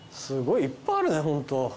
すごいいっぱいあるねホント。